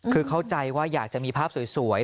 คือเข้าใจว่าอยากจะมีภาพสวย